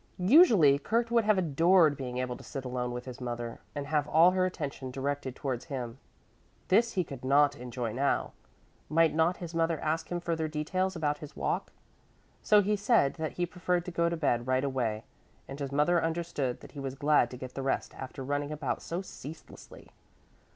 Usually Kurt would have adored being able to sit alone with his mother and have all her attention directed towards him. This he could not enjoy now. Might not his mother ask him further details about his walk? So he said that he preferred to go to bed right away, and his mother understood that he was glad to get to rest after running about so ceaselessly.